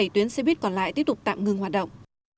hai mươi bảy tuyến xe buýt còn lại tiếp tục tạm ngưng hoạt động